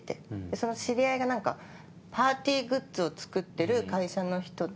その知り合いが何かパーティーグッズを作ってる会社の人で。